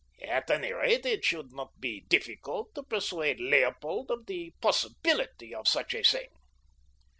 At any rate, it should not be difficult to persuade Leopold of the possibility of such a thing.